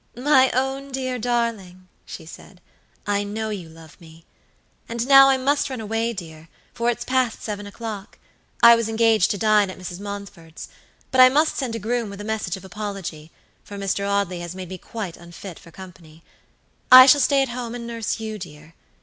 "My own dear darling," she said, "I know you love me. And now I must run away, dear, for it's past seven o'clock. I was engaged to dine at Mrs. Montford's, but I must send a groom with a message of apology, for Mr. Audley has made me quite unfit for company. I shall stay at home and nurse you, dear.